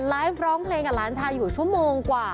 ไลฟ์ร้องเพลงกับหลานชายอยู่ชั่วโมงกว่า